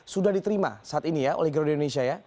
sudah diterima saat ini ya oleh garuda indonesia ya